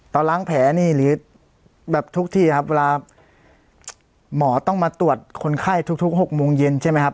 ล้างแผลนี่หรือแบบทุกที่ครับเวลาหมอต้องมาตรวจคนไข้ทุก๖โมงเย็นใช่ไหมครับ